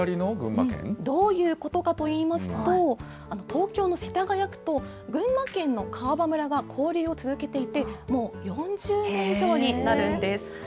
どういうことかといいますと、東京の世田谷区と群馬県の川場村が交流を続けていて、もう４０年以上になるんです。